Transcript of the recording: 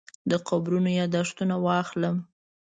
د قبرونو یاداښتونه واخلم.